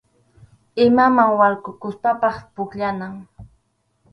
Imaman warkukuspapas pukllana.